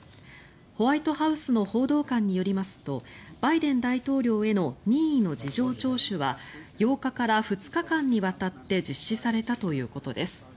ホワイトハウスの報道官によりますとバイデン大統領への任意の事情聴取は８日から２日間にわたって実施されたということです。